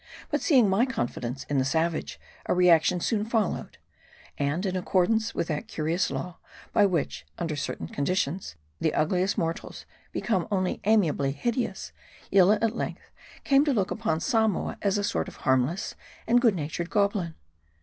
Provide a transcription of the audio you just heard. But seeing my confidence in the savage, a reaction soon followed. And in accordance with that curious law, by which, under certain conditions, the ugliest mortals become only amiably hideous, Yillah at length came to look upon Samoa as a sort of harmless and good natured goblin.